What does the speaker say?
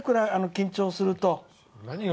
緊張すると。